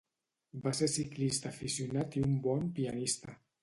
Va ser ciclista aficionat i un bon pianista.